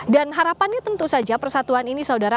dan harapannya tentu saja persatuan ini saudara